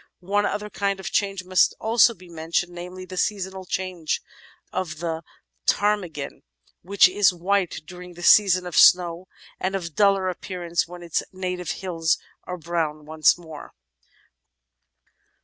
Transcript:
One other kind of change must also be mentioned, namely, the seasonal changes of the Ptarmigan, which is white during the season of snow and of duller appearance when its native hills are brown once more.